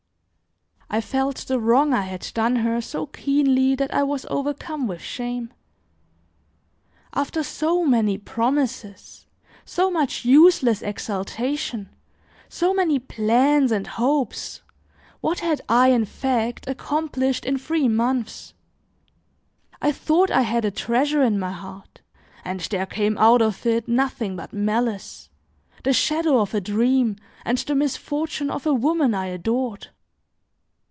I felt the wrong I had done her so keenly that I was overcome with shame. After so many promises, so much useless exaltation, so many plans and hopes, what had I, in fact, accomplished in three months! I thought I had a treasure in my heart and there came out of it nothing but malice, the shadow of a dream, and the misfortune of a woman I adored.